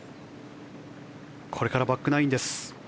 これからバックナインです。